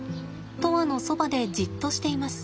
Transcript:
砥愛のそばでじっとしています。